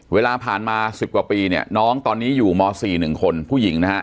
เวลาผ่านมา๑๐กว่าปีเนี่ยน้องตอนนี้อยู่ม๔๑คนผู้หญิงนะฮะ